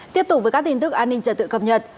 tiếp tục với các tin tức an ninh trật tự cập nhật